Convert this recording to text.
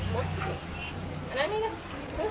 แมวมันมีไหน